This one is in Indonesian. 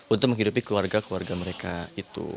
untuk menghidupi keluarga keluarga mereka itu